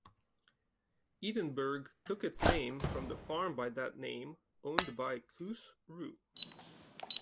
Edenburg took its name from the farm by that name owned by Koos Roux.